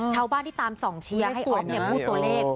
ชาวบ้านที่ตามส่องเชียร์ให้อ๊อฟพูดตัวเลข